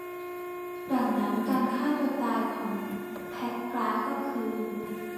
ดังนั้นการฆ่าตัวตายของแพคการ์ดก็คือ